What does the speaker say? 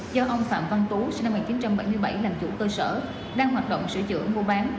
do ông phạm văn tú sinh năm một nghìn chín trăm bảy mươi bảy làm chủ cơ sở đang hoạt động sửa chữa mua bán